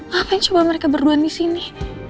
ngapain coba mereka berdua disini